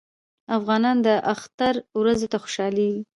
افغانان د اختر ورځو ته خوشحالیږي.